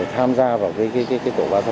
tham gia vào cái tổ ba ba